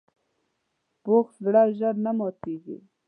پوخ زړه ژر نه ماتیږي